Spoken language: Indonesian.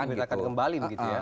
dipetakan kembali gitu ya